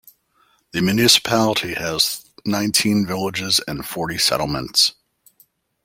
The municipality has nineteen villages and forty settlements.